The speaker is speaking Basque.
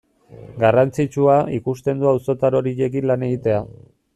Garrantzitsua ikusten du auzotar horiekin lan egitea.